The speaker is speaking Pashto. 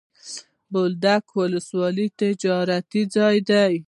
بولدک ولسوالي تجارتي ځای دی.